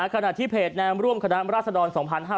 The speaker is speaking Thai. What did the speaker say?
ขณะที่เพจแนมร่วมคณะราษฎร๒๕๕๙